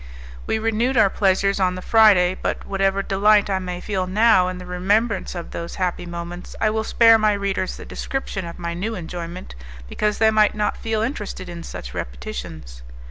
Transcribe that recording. We renewed our pleasures on the Friday, but, whatever delight I may feel now in the remembrance of those happy moments, I will spare my readers the description of my new enjoyment, because they might not feel interested in such repetitions.